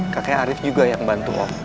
kakek arief juga yang bantu om